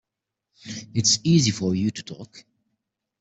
It's easy for you to talk.